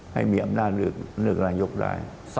ให้มีอำนาจเลือกลายยกลาย